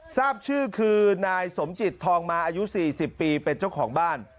ทราบชื่อคือนายสมจิตทองมาอายุ๔๐ปีเป็นเจ้าของบ้าน